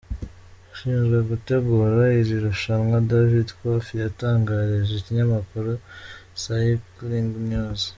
Ushinzwe gutegura iri rushanwa David Koff yatangarije ikinyamakuru Cyclingnews.